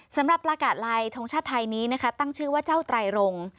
สำหรับประกาศลายทงชาติไทยนี้นะคะตั้งชื่อว่าเจ้าไตรรง